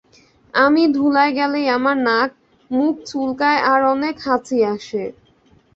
আমি ধুলায় গেলেই আমার নাক, মুখ চুলকায় আর অনেক হাঁচি আসে।